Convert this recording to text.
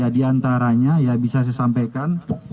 di antaranya ya bisa saya sampaikan